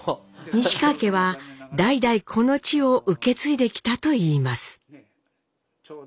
西川家は代々この地を受け継いできたといいます。